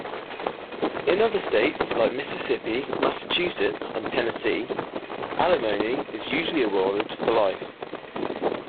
In other states, like Mississippi, Massachusetts and Tennessee, alimony is usually awarded for life.